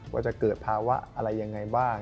ว่าจะเกิดภาวะอะไรยังไงบ้าง